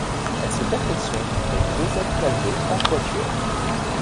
Elle se perfectionne avec Joseph Calvet en quatuor.